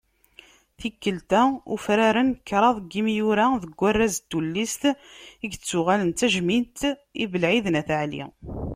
Tikkelt-a, ufraren kraḍ n yimyura deg warraz n tullist i yettuɣalen d tajmilt n Belɛid At Ɛli.